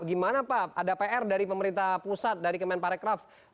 gimana pak ada pr dari pemerintah pusat dari kemenparekraf